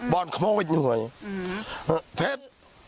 บ่อนขมวดหนึ่งไหวเผ็ด